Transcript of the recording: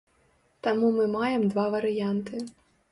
Таму мы маем два варыянты.